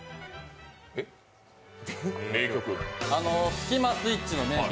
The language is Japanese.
スキマスイッチの名曲